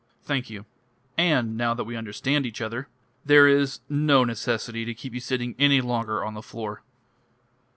"Thank you. And now that we understand each other, there is no necessity to keep you sitting any longer on the floor."